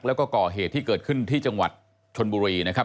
แล้วก็ก่อเหตุที่เกิดขึ้นที่จังหวัดชนบุรีนะครับ